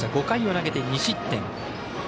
５回を投げて２失点。